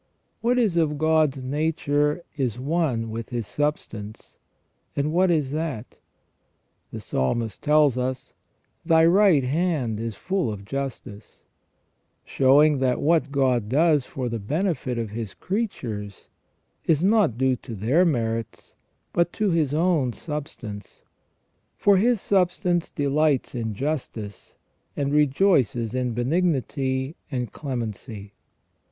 ... What is of God's nature is one with His substance, and what is that ? The Psalmist tells us :' Thy right hand is full of justice '; showing that what God does for the benefit of • S. August., Epiit. cxx. ad Consentium. ON JUSTICE AND MORAL EVIL. 199 His creatures is not due to their merits, but to His own sub stance; for His substance delights in justice, and rejoices in benignity and clemency.